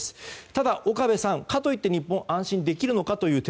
ただ岡部さん、かといって日本は安心できるのかと。